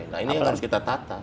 nah ini yang harus kita tata